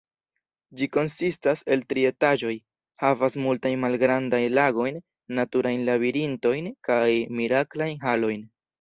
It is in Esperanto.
Ĝi konsistas el tri etaĝoj, havas multajn malgrandajn lagojn, naturajn labirintojn kaj miraklajn halojn.